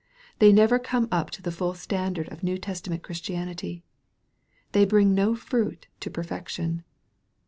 They never come up to the full standard of New Testament Chris tianity. They bring no fruit to perfection.